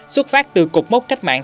xuất phát từ cục mốc cách mạng